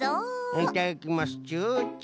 いただきますチュチュ。